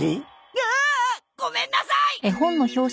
わあごめんなさい！